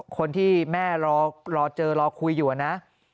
คนที่แม่รอเจอรอคุยอยู่นะ